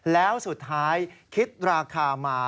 แล้วสุดท้ายคิดราคามา